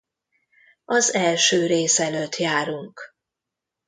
Az első rész előtt járunk.